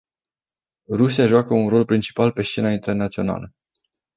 Rusia joacă un rol principal pe scena internațională.